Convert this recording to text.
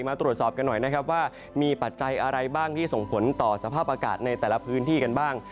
มาตรวจสอบกันหน่อยนะครับว่ามีปัจจัยอะไรบ้างที่ส่งผลต่อสภาพอากาศในแต่ละพื้นที่กันบ้าง